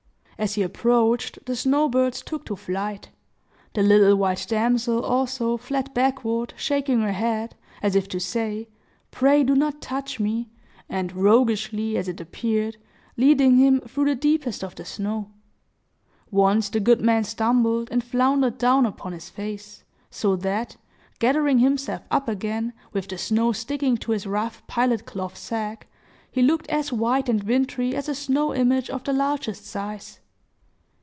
As he approached, the snow birds took to flight. The little white damsel, also, fled backward, shaking her head, as if to say, "Pray, do not touch me!" and roguishly, as it appeared, leading him through the deepest of the snow. Once, the good man stumbled, and floundered down upon his face, so that, gathering himself up again, with the snow sticking to his rough pilot cloth sack, he looked as white and wintry as a snow image of the largest size.